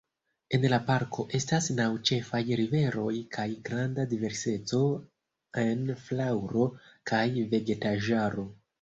En la parko estas naŭ ĉefaj riveroj kaj granda diverseco en flaŭro kaj vegetaĵaro.